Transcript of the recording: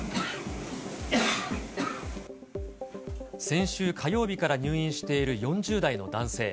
先週火曜日から入院している４０代の男性。